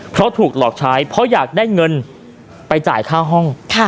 เพราะถูกหลอกใช้เพราะอยากได้เงินไปจ่ายค่าห้อง